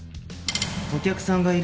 お客さんがいる。